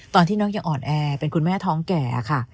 ตอนที่น้องยังอ่อนแอเป็นคุณแม่ท้องแก่ค่ะ